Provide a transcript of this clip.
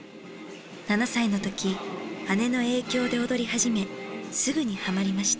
７歳の時姉の影響で踊り始めすぐにはまりました。